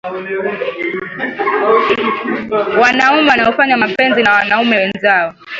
wanaume wanaofanya mapenzi na wanaume wenzao